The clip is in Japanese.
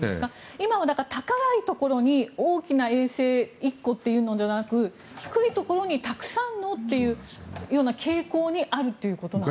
今は高いところに大きな衛星１個というのではなく低いところにたくさんのという傾向にあるということなんですか？